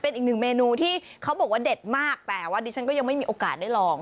เป็นอีกหนึ่งเมนูที่เขาบอกว่าเด็ดมากแต่ว่าดิฉันก็ยังไม่มีโอกาสได้ลอง